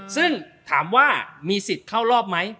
ซึ่งถามว่ามีสิทธิ์เข้ารอบไหม